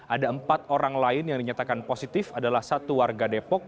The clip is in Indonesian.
ada empat orang lain yang dinyatakan positif adalah satu warga depok